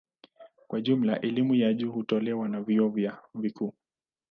Kwa jumla elimu ya juu hutolewa na vyuo na vyuo vikuu.